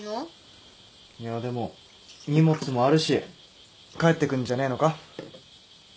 いやでも荷物もあるし帰ってくんじゃねえのか？